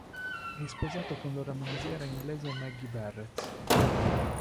È sposato con la romanziera inglese Maggie Barrett.